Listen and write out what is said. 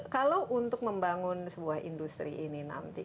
kalau untuk membangun sebuah industri ini nanti